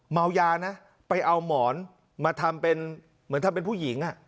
เมายานะไปเอาหมอนมาทำเป็นเหมือนทำเป็นผู้หญิง